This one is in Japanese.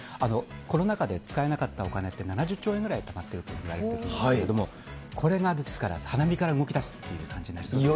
コロナ禍で使えなかったお金って７０兆円ぐらいたまっているといわれているんですけれども、これが花見から動きだすっていう感じになりそうですね。